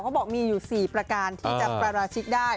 เขาบอกมีอยู่๔ประการที่จะปราชิกได้